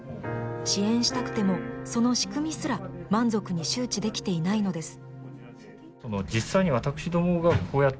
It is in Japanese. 支援したくてもその仕組みすら満足に周知できていないのです。